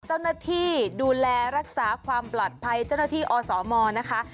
เจ้าหน้าที่ดูแลรักษาความปลอดภัยเจ้าหน้าที่อสมนะคะ